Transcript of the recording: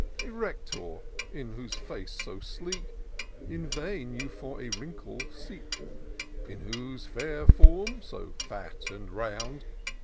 A rector, on whose face so sleek In vain you for a wrinkle seek ; In whose fair form, so fat and round.